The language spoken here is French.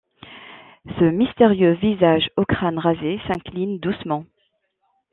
Ce mystérieux visage au crâne rasé s'incline doucement.